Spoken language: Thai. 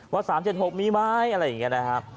๓๗๖มีไหมอะไรอย่างนี้นะครับ